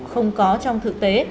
không có trong thực tế